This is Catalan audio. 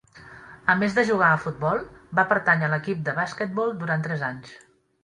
A més de jugar a futbol, va pertànyer a l'equip de basquetbol durant tres anys.